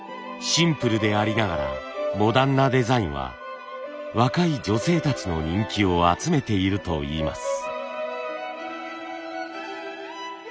シンプルでありながらモダンなデザインは若い女性たちの人気を集めているといいます。